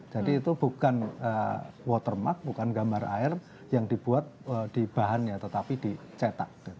jadi itu bukan watermark bukan gambar air yang dibuat di bahannya tetapi dicetak